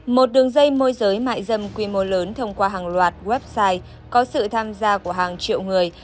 một đường dây môi giới mại dâm quy mô lớn thông qua hàng loạt website có sự tham gia của hàng triệu người